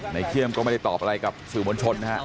เขี้ยมก็ไม่ได้ตอบอะไรกับสื่อมวลชนนะครับ